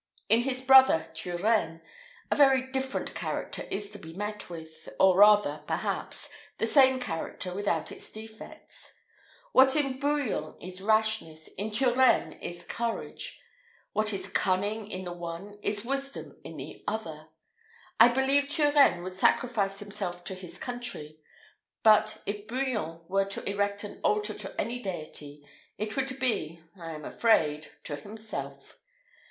In his brother, Turenne, a very different character is to be met with, or rather, perhaps, the same character without its defects. What in Bouillon is rashness, in Turenne is courage; what is cunning in the one is wisdom in the other. I believe Turenne would sacrifice himself to his country; but if Bouillon were to erect an altar to any deity, it would be, I am afraid, to himself.